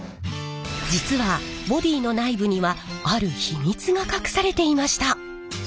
実はボディーの内部にはある秘密が隠されていました。